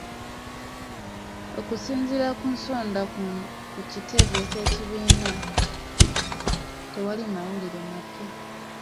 Okusinziira ku nsonda ku kitebe ky'ekibiina, tewali mawulire mapya.